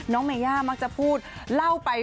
เมย่ามักจะพูดเล่าไป